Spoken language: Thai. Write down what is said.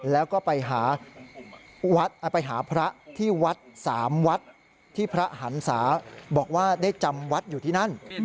แล้วก็ไปหาวัดไปหาพระที่วัด๓วัดที่พระหันศาบอกว่าได้จำวัดอยู่ที่นั่น